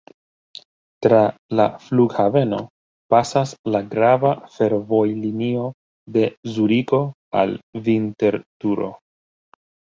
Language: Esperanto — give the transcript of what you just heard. Tra la flughaveno pasas la grava fervojlinio de Zuriko al Vinterturo.